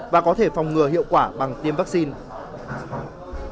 và có thể phòng ngừa hiệu quả bằng tiêm vaccine